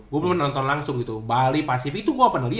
gue belum pernah nonton langsung gitu bali pasif itu gue belum pernah liat